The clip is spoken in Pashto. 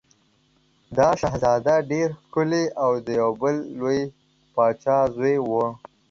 دا شهزاده ډېر ښکلی او د یو بل لوی پاچا زوی و.